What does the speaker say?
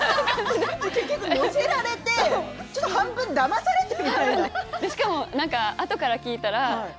結局乗せられて半分だまされてみたいな。